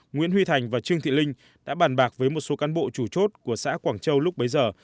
nguyễn huy thành và trương thị linh đã bàn bạc với một số cán bộ chủ chốt của xã quảng châu lúc bấy giờ